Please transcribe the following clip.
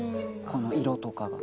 この色とかが。